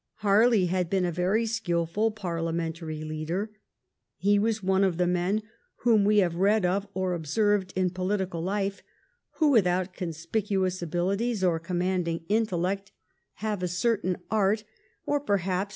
Harley had been a very skilful parliamentary leader. He was one of the men whom we have read of or observed in political life who, without conspicuous abilities or commanding intellect, have a certain art, or perhaps 1712 13 BOLINGBROKE AS AN ORATOR.